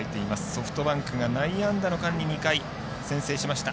ソフトバンクが内野安打の間に２回先制しました。